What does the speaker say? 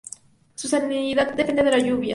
Su salinidad depende de la lluvia.